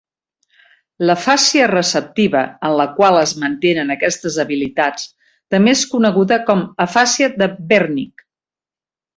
L'afàsia receptiva en la qual es mantenen aquestes habilitats també és coneguda com afàsia de Wernicke.